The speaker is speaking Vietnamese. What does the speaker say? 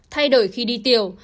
thay đổi khi đi tiểu